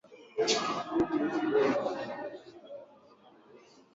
Ikiwa hujali kwa wakati fulani kwenye safari yako